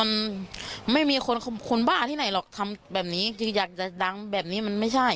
มันไม่มีคนคนบ้าที่ไหนหรอกทำแบบนี้คืออยากจะดังแบบนี้มันไม่ใช่